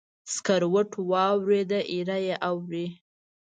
سکروټو واوریده، ایره یې اوري